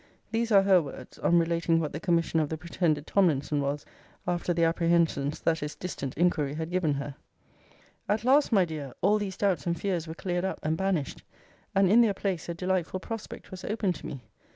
These are her words, on relating what the commission of the pretended Tomlinson was, after the apprehensions that his distant inquiry had given her:] At last, my dear, all these doubts and fears were cleared up, and banished; and, in their place, a delightful prospect was opened to me.